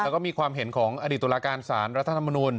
แล้วก็มีความเห็นของอดีตตุลาการสารรัฐธรรมนูล